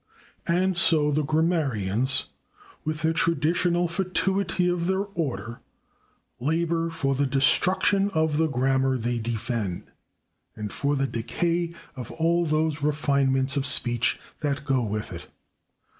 And so the grammarians, with the traditional fatuity of their order, labor for the destruction of the grammar they defend, and for the decay of all those refinements of speech that go with it.